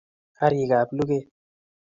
Karik ab luket